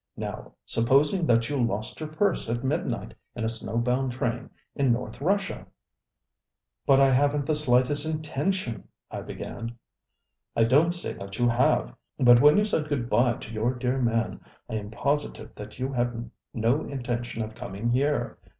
Now, supposing that you lost your purse at midnight in a snowbound train in North Russia? ŌĆØ ŌĆ£But I havenŌĆÖt the slightest intentionŌĆöŌĆØ I began. ŌĆ£I donŌĆÖt say that you have. But when you said good bye to your dear man I am positive that you had no intention of coming here.